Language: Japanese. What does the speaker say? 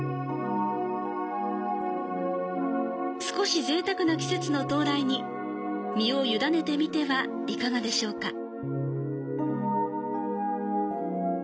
少し贅沢な季節の到来に身をゆだねてみてはいかがでしょうか。